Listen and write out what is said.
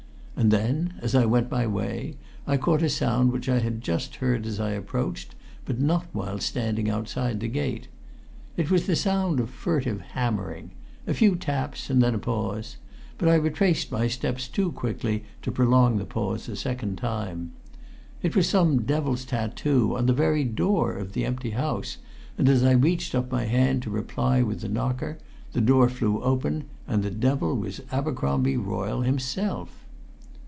And then, as I went my way, I caught a sound which I had just heard as I approached, but not while standing outside the gate. It was the sound of furtive hammering a few taps and then a pause but I retraced my steps too quietly to prolong the pause a second time. It was some devil's tattoo on the very door of the empty house, and as I reached up my hand to reply with the knocker, the door flew open and the devil was Abercromby Royle himself.